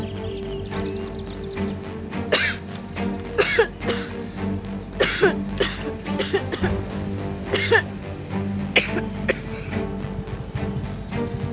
ฉันคิดอย่างงี้